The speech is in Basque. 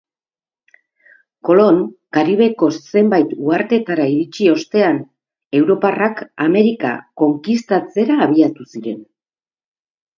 Kolon Karibeko zenbait uhartetara iritsi ostean, europarrak Amerika konkistatzera abiatu ziren.